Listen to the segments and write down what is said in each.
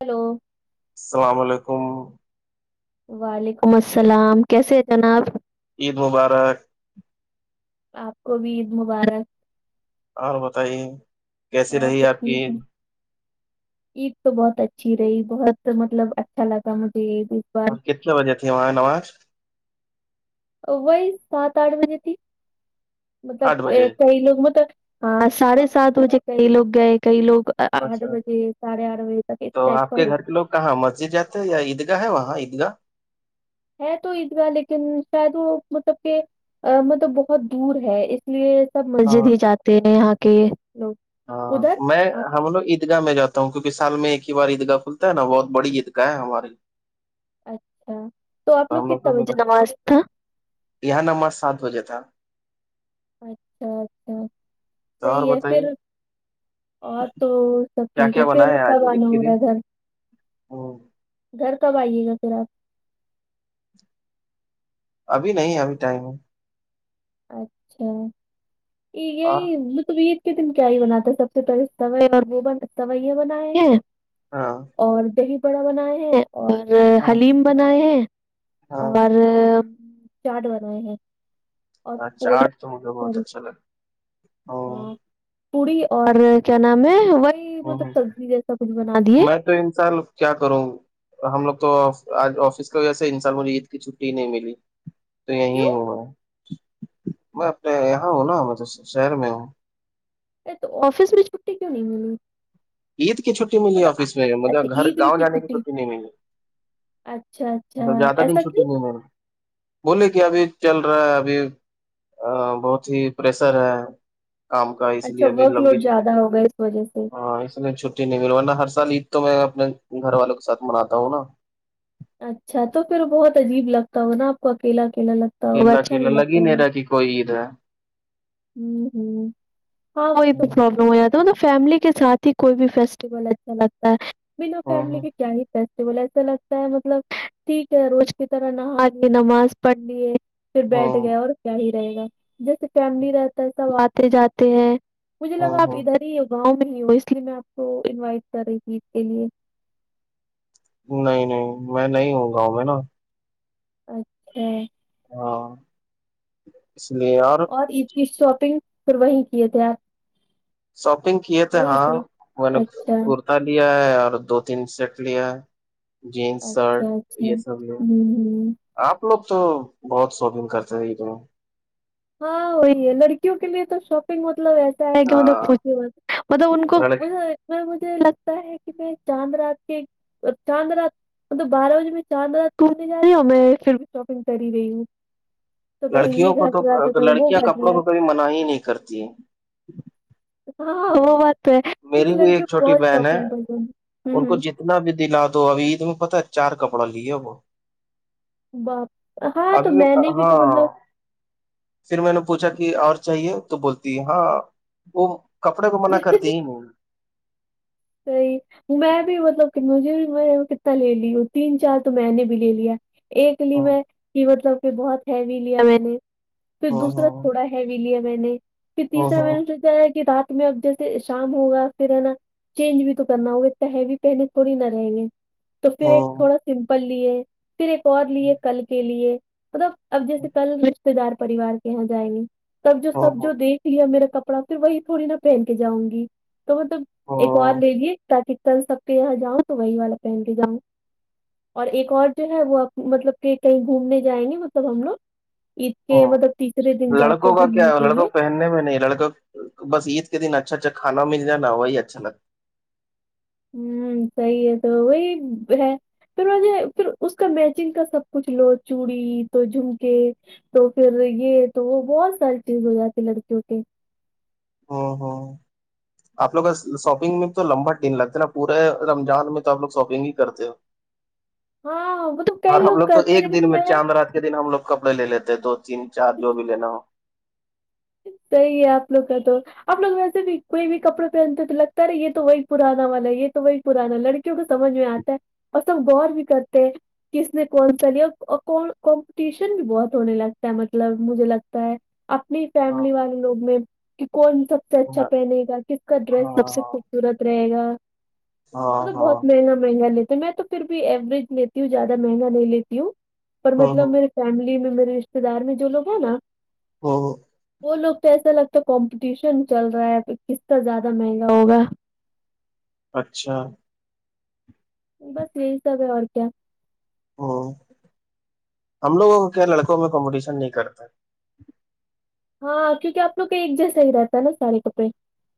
Hello السلام علیکم وعلیکم السلام کیسے ہے جناب عید مبارک آپ کو بھی عید مبارک اور بتائیے کیسی اور رہی تو آپ کی ٹھیک ہے عید تو بہت اچھی رہی بہت مطلب اچھا لگا مجھے عید بار ہاں کتنے بجے تے وہاں نواز وہی سات آٹھ بجے تھی مطلب آٹھ بجے کئی لوگوں تک ہاں ساڑھے سات بجے کئی لوگ گئے کئی لوگ آٹھ اچھا بجے ساھے آٹھ بجے تک تو ایک آپ کا کے ہو گھر کے لوگ کہاں مسجد جاتا ہے یا عیدگاہ ہے وہاں عیدگاہ ہے تو عید گاہ لیکن شاید وہ مطلب کہ ا مطلب بہت دور ہے اس لیے سب ہاں مسجد ہی جاتے ہیں یہاں کے لوگ ہاں ادھر میں آپ کے ہم لوگ عید گاہ میں جاتا ہ کیکہ سال میں ایک ہی بار عیدگاہ کھلتا ہے نا بہت بڑی عیدگاہ ہے ہماری اچھا تو آپ ہم لوگ کتنا بجے نماز تھا یہاں نم سات بجے تھا اچھا اچھا تو اور صحیح ہے بتائیے پھر اور تو سب کیا ٹھیک کیا ہے بنا پھر آج کب عید آنا کے ہو رہا دن ہے گھر ہوں، گھر کب آئیے گا پھر آپ ابھی نہیں ابھی ٹائم ہے اچھا یہ گ اور ہی مطبییر کے دن کیا ہی بناتا ہے سب سے پہلے س اور وہ سی بنائے ہیں ہاں اور دہی بڑا بنائے ہیں اور ہاں حلیم بنائے ہیں ہاں اور چاٹ برا ہے [inaudible] ہ چاٹ تو مجھے بہت اچھا لگا ہ پوڑی اور کیا نام ہے وہی ہوں مطلب ہوں سبزی جیسا کچھ بنا دیے میں تو انسان کیا کروں ہم لوگ تو آفس کی وجہ سے ان سال مجھے عید کی چھٹی نہیں ملی تو یہیں کیوں ہوں میںا میں اپنے یہاں ہوں نا مطلب شہر میں ہوں ا تو آفس میں چھٹی کیوں نہیں ملی عید کی چھٹی ملی ہے مطلب آ- آفس میں مل اچھا گھر عید وید گاؤںانے کی چھٹی نہیں م ہے اچھا اچھا مطب زیادہ دن ایسا چھٹی کیوں نہیں م بولیے کہ ابھی چل رہا ہے ابھی ا بہت ہی پریشر ہے کام کا اس لیے اچھا ابھی ورک لمبی لوڈ چھٹی زیادہ ہوگا اس وجہ سے ہاں اس لیے ملوا ہر سال عید تو میں اپنے گھر والوں کےاتھ مناتا ہوں نا اچھا تو پھر بہت عجیب لگتا ہو نا آپ کو اکیلا اکلا لگتا ہوگا کھیلا اچھا نہیں کھیلا لگی لگتا میرا کہ کوئی رہ ہے ہ ہ ہاں وہی توچ پرابلم ہو جاتا مطلب فیملی کے ساتھ ہی کوئی بھی فیسٹیول اچھا لگتا ہے بنا فیملی ہ کے کیا ہی فیسٹیول ایسا لگتا ہے مطلب ٹھیک ہے روز کی طرح نہے نماز پڑھ لیے پھر ہ بیٹھ ہ گیا اور کیا ہی رہے گا جیسے فیملی رہتا ہے سب آتے جاتے ہیں مجھے ہ لگا ہ آپ ادھر ہی ہو گاؤں میں ہی ہو اس لیے میں آپ کو انوائٹ کر رہی تھی عید کے لیے نہیں نہیں میں نہیں ہوں گاؤں میں نا اچھا ہاں اس لیے اور اور عید کی شاپنگ پھر وہی کیے تھے آپ شاپنگ کیے تھے وہی ہاں سے میں نے اچھا اچھا کرتا لیا ہے اور دو تین سیٹ لیا ہے جینس سرٹ اچھا یہ ہوں سب ل ہوں آپ لوگ تو بہت شاپنگ کرتے تھے ایک د میں ہاں وہی ہے لڑکیوں کے لیے تو شاپنگ مطلب ایسا کہ مطلب ہاں پوچھے وہا مطلب ان کو لڑک میں مجھے لگتا ہے کہ میں چاند رات کے چاند رات مطلب بارہ بجے میں چارد داز ٹنے جا رہی ہوں اور میں پھر بھی شاپنگ کر ہی رہی ہوں تو کہیں لڑکیوں گے کو گھر لڑکیاں کپڑوں کو کبھی من ہی نہیں کرتی ہاں ہاں وہ بات تو ہے کیونکہ میری بھی لڑکی ایک بہت شاپنگ پی ہ ہ اتنا بھی دلا دو ابھی تمہیں پتا ہے چار کپڑا لییا وہ باپ ہاں تو ابھی میں نے بھی تو ہاں مطلب پھر میں نے پوچھا کہ اور چاہیے تو بولتی ہے ہاں وہ کپڑے کو منع کرتے تین صحیح میں بھی مطلب مجھے میں کتنا لے لی ہوں تین چار تو میں نے بھی لے لیا ایک لی میں کہ مطلب کہ بہت ہیوی لیا میں نے پھر ہوں دوسرا ہوں تھوڑا ہیوی لیا میں نے پھر تیسرا میں ہوں نے ہے کہ رات میں اب جیسے شام ہوگا پھر ہے نا چینج بھی تو کرنا ہوگا انا ہیوی پہنے تھوڑی نہ رہے گئے تو ہوں پھر ایک ہوں تھوڑا سمپل لی ہے پھر ایک اور لیے کل کے لیے مطلب اب جیسے کل رتے دار پریوار کے یہاں جائیں گے تب جو ہوں سب ہوں جو دیکھ لیا میرا ک پڑا پھر وہی تھوڑی نا پہن کے جاؤں گی تو مطلب ایک وار ہوں دےجیے تاک چل سک پ جاؤ تو وہی والا پہن کے جاؤں اور ایک اور جو ہے وہ مطلب کہ کہیں گھومنے جائیں گے مطلب ہم لوگ عید ہ کے مطلب تیسرے دن جاتے لڑکوں کا کیا گھومنے ہے کے لیے لڑکوں پہننے میں نہیں لڑکا بس عید کے دن اچھا اچھاھانا مل جا وہی اچھا لگتا ہوں صحیح ہے تو وہی ہے پھر مجھے پھر اس کا میچنگ کا سب کچھ لو چوڑی تو جھمکے تو پھر یہ تو وہ بہت ساری چیز ہو جاتی لڑکیوں کے ہ ہاں ہاں آ لوگ کا شاپنگ میں تو لمبا ٹن لگتا ہے نا پورے رم جان میں تو آ لوگ شاپنگ ہی کرتے ہو ہاں وہ تو اور کئی ہم لوگ تو کرتے ہیں ایک دن لیکن میں چاند رات کے دن ہم لوگ کپڑے لے لیتے دو تین چار جو بھی لینا ہو صحیح ہے آپ لوگ کا تو اپ لوگ ویسے بھی کوئی بھی کپڑے پہنتے تو لگتا ہے رہا یہ تو وہی پرانا والا ہے یہ تو وہی پرانا لڑکیوں کو سمجھ میں آتا ہے اور سب غور بھی کرتے ہیں کس نے کون سا لیا کمپٹیشن بھی بہت ہونے لگتا ہے مطلب مجھے لگتا ہے اپنی ہاں فیملی والے لوگ میں کہ کون سب سے اچھا ہاں پہنے گا کس کا ڈریس سب ہاں سے خھ سورت رہے گا ہاں مطلب ہاں بہت مہنگا مہنگا لیتے میں تو پھر بھی ایوریج لیتی ہوں زیادہ مہنگا نہیں لیتی ہوں پر مطلب ہوں میرے فیملی میں میرے رشتے دار میں جو لوگ ہیں نا ہ وہ لوگ تو ایسا لگتا ہے کمپٹیشن چل رہا ہے کسنا زیادہ مہنگا ہوگا اچھا بس یہی سب ہے اور کیا ہوں ہم لوگوں کو کیا لڑکوں میں کمپٹیشن نہیں کرتا ہاں کیونکہ آپ لوگ کا ایک جیسا ہی رہتا ہے نا سارے کپڑے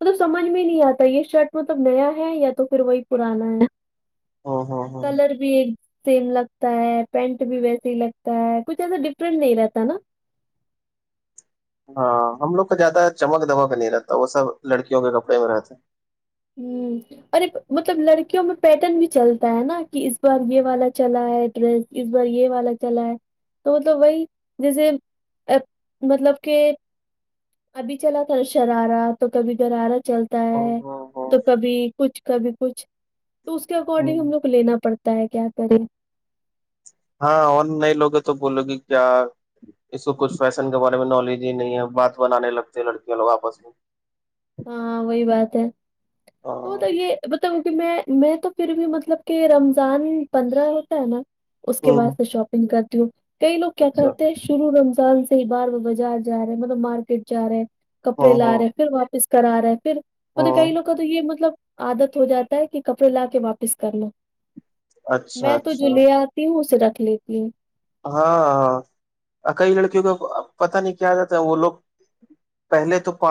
مطلب سمجھ میں نہیں آتا یہ شرٹ مطلب نیا ہے یا تو پھر وہی پرانا ہے ہ ہ ہ کلر بھی سیم لگتا ہے پینٹ بھی ویسے ہی لگتا ہے کچھ ایسا ڈفرنٹ نہیں رہتا نا ہاں ہم لوگ کو زیادہ چمک دمک نہیں رہتا وہ سب لڑکیوں کے کپڑے میں رہتے ھمم اورر مطلب لڑکیوں میں پیٹرن بھی چلتا ہے نا کہ اس بار یہ والا چلا ہے ڈریس اس بار یہ والا چلا ہے تو مطلب وہی جیسے مطلب کہ ابھی چلا تھا شرارا تو کبھی درارہ چلتا ہوں ہے ہوں تو ہوں کبھی کچھ کبھی کچھ تو اس کے اکارڈنگ ہوں ہم لوگ لینا پڑتا ہے کیا کریں ہاں اور نئے لوگے تو بولو گے کیا اس کو کچھ فیشن کے بارے میں نالج ہی نہیں ہے بات بنانے لگتے لڑکیاں لوگ آپس میں ہاں وہی بات ہے تو ہ یہ بتاؤ کہ میں میں تو پھر بھی مطلب کہ رمضان پندرہ ہوتا ہے نا اس کے بعد سے شاپنگ کرتی ہوں کئی لوگ کیا اچھا کرتے ہیں شروع رمضان سے ہی بار وہ بازار جا رہے مطلب مارکیٹ جا رہے کپڑے ہ لا ہ رہے پھر واپس کرا رہا ہے پھر م تو ہ کئی لوگ کو تو یہ مطلب عادت ہو جاتا ہے کہ کپڑے لا کے واپس کر لو اچھا میں تو جو اچھا لے آتی ہوں اسے رکھ لیتی ہوں ہاں کئی لڑکیوں کا پتا نہیں کیا آ جاتا ہے وہ لوگ پہلے تو پ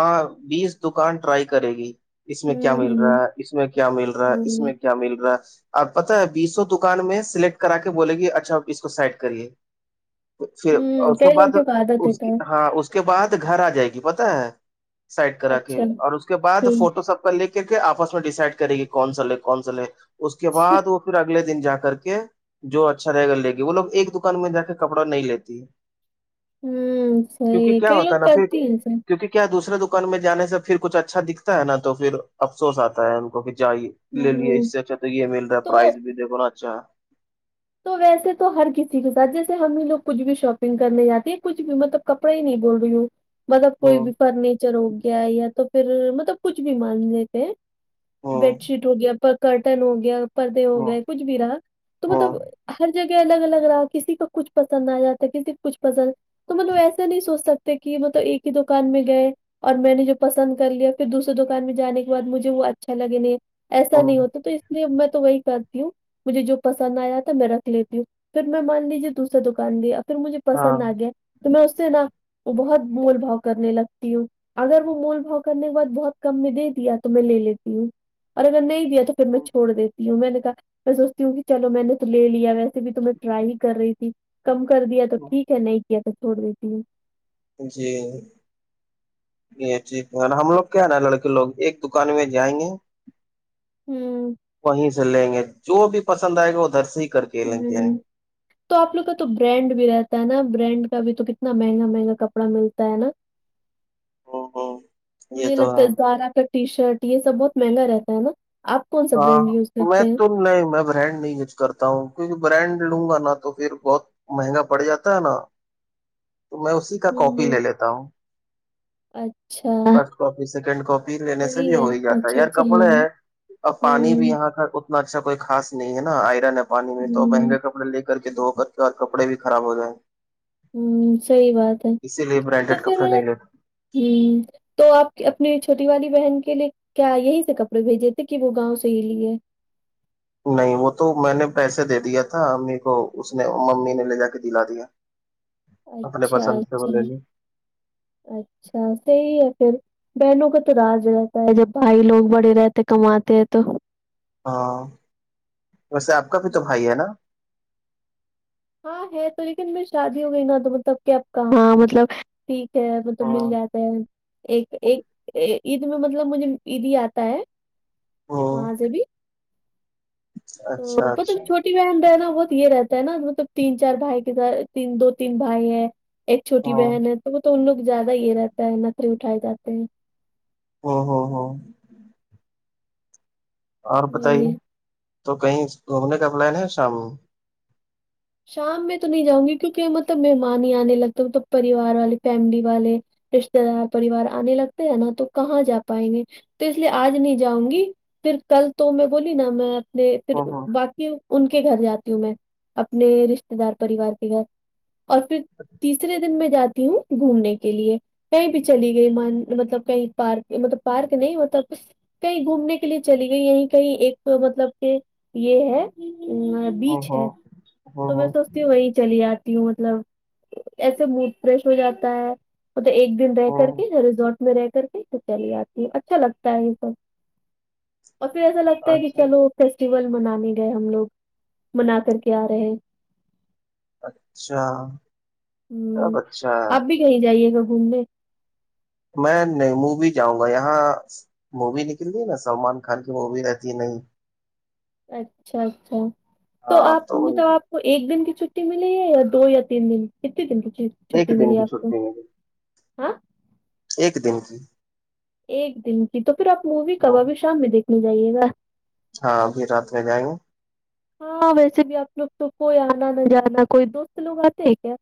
بیس دکان ٹرائی کرے گی اس میں کیا ہوں مل ہوں رہا ہے اس میں کیا مل رہا ہے اس ہوں میں مل رہا ہے آپ پتا بیسو دکان میں سلیکٹ کرا کے بولے گی اچھا اس کو سائڈ کرے تو پھر ہوں اس کے کئی بعد لڑکیوں کا عادت اس ہوتا کی ہے ہاں اس اس کے بعد گھر آ جائے گی پت ہے سائڈ کرا کے اچھا اور اس کے بعد کوئی فوٹو سب لے کر کے آپس میں ڈیسائڈ کرے گی کون سا ل ہے کون سا ہے اس کے بعد وہ ھر اگلے دن جا کر کے جو اچھا رہے گا لے کے وہ لو ایک دکان میں جا کے کپڑا نہیں لیتی ہوں سی کیونکہ ہے کیا کئی ہوتا لوگ نا پھر کرتی ہیںسے کیونکہ کیا دوسرے دکان میں جانے سے پھر کچھ اچھا دکھتا ہے نا تو پھر افسوس آتا ہے ان کو کہ جائیے لے لیے ہوں اس سے اچھا تو یہ مل رہا ہے پرائز تو بھی دیکھو نا اچھا تو ویسے تو ہر کسی کے ساتھ جیسے ہم ہی لوگ کچھ بھی شاپنگ کرنے جاتے ہیں کچھ بھی مطلب کپڑے ہی نہیں بول رہی ہوں مطلب کوئی ہوں بھی فرنیچر ہو گیا یا تو پھر مطلب کچھ بھی مان لیتے ہیں ہوں بیڈ شیٹ ہو گیا پر کرٹن ہو گیا پردے ہو ہوں گئے کچھ بھی رہا تو ہوں مطلب ہر جگہ الگ الگ رہا کسی کو کچھ پسند آ جاتا کسی کو کچھ پسند تو مطلب ایسا نہیں سوچ سکتے کہ مطلب ایک ہی دکان میں گئے اور میں نے جو پسند کر لیا پھر دوسرے دکان میں جانے کے بعد مجھے وہ اچھا لگے گ ایسا نہیں ہوں ہوتا تو اس لیے میں تو وہی کرتی ہوں مجھے جو پسند آیا تو میں رکھ لیتی ہوں پھر میں مان لیجیے دوسرری دکان دیا پھر مجھے پسند آ گیا تو میں اس سے نا بہت بھول بھؤ کرنے لگتی ہوں اگر وہ مول بھاؤ کرنے کے بعد بہت کم میں دے دیا تو میں لے لیتی ہوں اور اگر نہیں تو پھر میں ہاں چھوڑ دیتی ہوں میں نے کہا میں سوچتی ہوں کہ چلو میں نے تو لے لیا ویسے بھی تو میں ٹرائی ہی کر رہی تھی کم کر دیا تو ٹھیک ہے نہیں کیا تو چھوڑ دیتی ہوں جی یہ چیز ہم لوگ کیا نا لڑکے لوگ ایک دکان میں جائیں گے ہوں وہیں سے لیں گے جو بھی پسند آئے گا وہدھر سے ہی کر کے لیں گے ہ ہوں تو آپ لوگ کا تو برانڈ بھی رہتا ہے نا برانڈ کا بھی تو کتنا مہنگا مہنگا کپڑا ملتا ہے نا [inaudible] یہ مجھے تو لگتا ہے زارا کا ٹی شرٹ یہ سب بہت مہنگا رہتا ہے نا آپ کون سا ہاں برانڈ یوز میں کرتے ہیں تو نہیں میں بریڈ نہیں کرتا ہوں کیونکہ برانڈ لوں گا نا تو پھر بہت مہنگا پڑ جاتا ہے نا تو میں اسی کا کاپی ہوں لے لیتا ہوں اچھا فرسٹ کاپی سیکنڈ کاپی لینے سے بھی صحیح ہو ہی جاتا ہے اچھا یار اچھا ہاں کپڑے ہیں اب پانی بھی ہوں یہاں کا اتنا اچھا کوئی خاص نہیں ہے نا آئرن ہے پانی میں تو ہوں مہنگے کپڑے لے کے کر کے دھو کر کے اور کپڑے بھی خراب ہو جائیں صحیح بات ہے اسی لیے تو برانڈیڈ پھر کپڑے نہیں لیتے تو آپ اپنی چھوٹی والی بہن کے لیے کیا یہی سے کپڑے بھیجے تھے کہ وہ گاؤں سے ہی لیے نہیں وہ تو میں نے پیسے دے دیا تھا امی کو اس نے ممی نے لے جا کے دلا دیا اپنے اچھا پسند سے وہ اچھا لے لیے اچھا صحیح ہے پھر بہنوں کا تو راز رہتا ہے جب بھائی لوگ بڑے رہتے کماتے ہیں تو ہاں ویسے آپ کا بھی تو بھائی ہے نا ہاں ہے تو لیکن میں شادی ہو گئی نا تو مطلب کیا کہاں مطلب ٹھیک ہے مطلب مل ہاں جاتا ہے ایک ایک عید میں مطلب مجھے عید ہی آتا ہے او وہاں سے بھی تو اچھا مطلب اچھا چھوٹی بہن رہنا بہت یہ رہتا ہے نا مطلب تین چار بھائی کے دو تین بھائی ہیں ایک او چھوٹی بہن ہے تو وہ تو ان لوگ زیادہ یہ رہتا ہے نقل اٹھائے جاتے ہیں [inaudible] اور بتائیے وہی ہے تو کہیں گھومنے کا پلان ہے شام میں شام میں تو نہیں جاؤں گی کیونکہ مطلب مہمان ہی آنے لگتے ملب پریوار والے فیملی والے رشتے دار پریوار آنے لگتے ہیں نا تو کہاں جا پائیں گے تو اس لیے آج نہیں جاؤں گی پھر کل تو میں بولی نا میں پھر او ہو باقی ان کے گھر جاتی ہوں میں اپنے رشتے دار پریوار کے گھر اور پھر تیسرے دن میں جاتی ہوں گھومنے کے لیے کہیں بھی چلی گئی مطلب کہیں پارک مطلب پارک نہیں مطلب کہیں گھومنے کے لیے چلی گئی یہیں کہیں ایک مطلب کہ یہ ہے او بیچ ہو ہے او تو ہو میں سوچتی ہوں وہی چلی آتی ہوں مطلب ایسے موڈ فریش ہو جاتا ہے تو ایک دن رہ او کر کے ریزورٹ میں رہ کر کے تو چلی آتی ہے اچھا لگتا ہے یہ سب اور پھر ایسا لگتا ہے کہ اچھا چلو فیسٹیول منانے گئے ہم لوگ منا کر کے آ رہے ہیں اچھا ہوں سب اچھا ہے۔ آپ بھی کہیں جائیے گا گھومنے میں نیمو بھی جاؤں گا یہاں مووی نکلتی ہے نا سلمان خان کی مووی رہتی ہے نہیں اچھا اچھا تو ہاں آپ وہی مطلب آپ تو ایک دن کی چھٹی ملی ہے یا دو یا تین دن کتنی دن کی ایک چھٹی دن ملی کی آپ کو چھٹی ملی ہاں ایک دن کی ایک دن کی تو پھر آپ مووی کبا بھی شام میں دیکھنے جائیے گا ہاں ابھی رات میں جائیں گے ہاں ویسے بھی آپ لوگ تو کوئی آنا نہ جانا کوئی دوست لوگ آتے ہیں کیا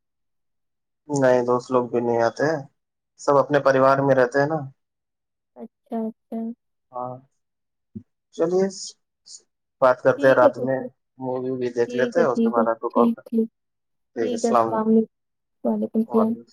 نہیں دوست لوگ بھی نہیں آتے ہیں سب اپنے پریوار میں رہتے ہیں نا اچھا اچھا ہاں چلیے بات کرتے ہیں ٹھیک ہے رات تو میں پھر مووی وووی دیکھ لیتے ٹھیک ہے ہیں اس کے ٹھیک بعد ہے آپ کو کال ٹھیک کر ٹھیک ٹھیک ہے سلام علیکم وعلیکم